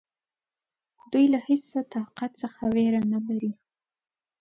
دوی له هیڅ طاقت څخه وېره نه لري.